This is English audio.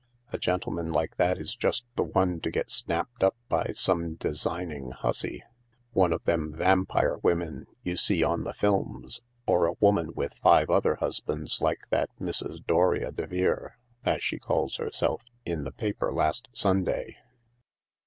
" A gentleman like that is just the one to get snapped up by some designing hussy : one of them vampire women you see on the films, or a woman with five other husbands like that Mrs. Doria de Vere, as she calls herself, in the paper last Sunday."